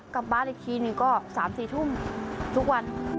กลับบ้านอีกทีหนึ่งก็๓๔ทุ่มทุกวัน